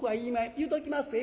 言うときまっせ。